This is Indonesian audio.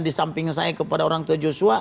di samping saya kepada orang tua joshua